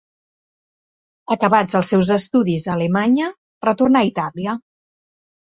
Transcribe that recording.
Acabats els seus estudis a Alemanya, retornà a Itàlia.